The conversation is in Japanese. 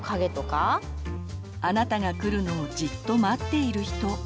あなたが来るのをじっとまっている人。